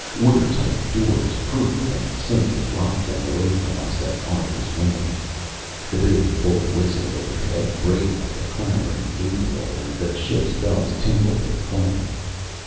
Watertight doors, proof against sinking, locked them away from us at Arthur's whim. The big bull whistle overhead brayed like a clamoring Gabriel, and the ship's bells tinkled and clanged.